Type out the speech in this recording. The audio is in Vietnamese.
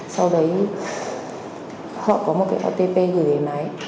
sau đấy họ có một cái otp gửi về máy